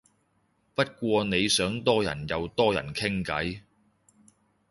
不過你想多人又多人傾偈